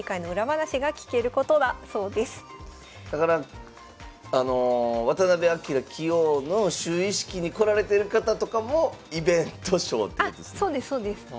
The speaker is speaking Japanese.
だからあの渡辺明棋王の就位式に来られてる方とかもイベント将っていうんですね？